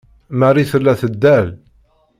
Marie tella teddal.